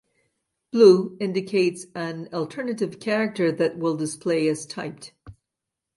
Blue indicates an alternative character that will display as typed.